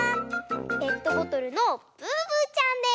ペットボトルのブーブーちゃんです。